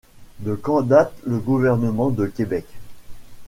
De quand date le gouvernement de Québec?